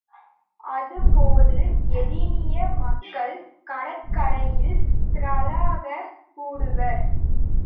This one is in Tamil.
அது போது எதினிய மக்கள் கடற்கரையில் திரளாகக் கூடுவர்.